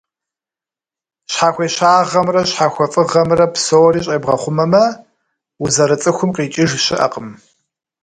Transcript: Щхьэхуещагъэмрэ щхьэхуэфӀыгъэмрэ псори щӀебгъэхъумэмэ, узэрыцӀыхум къикӀыж щыӀэкъым.